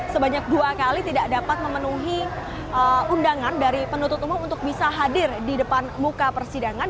sebanyak dua kali tidak dapat memenuhi undangan dari penuntut umum untuk bisa hadir di depan muka persidangan